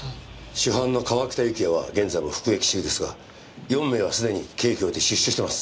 主犯の川北幸也は現在も服役中ですが４名はすでに刑期を終えて出所してます。